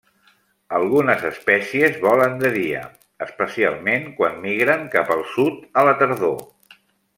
Algunes espècies volen de dia, especialment quan migren cap al sud a la tardor.